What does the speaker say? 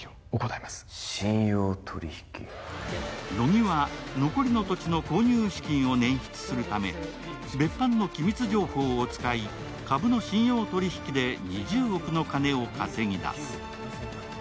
乃木は残りの土地の購入資金を捻出するために別班の機密情報を使い、株の信用取引で２０億の金を稼ぎ出す。